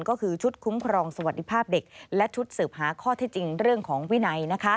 ก็คือชุดคุ้มครองสวัสดิภาพเด็กและชุดสืบหาข้อที่จริงเรื่องของวินัย